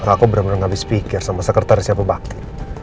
aku benar benar gak bisa pikir sama sekretarisnya pebaki